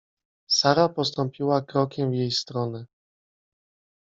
Sara postąpiła krokiem w jej stronę.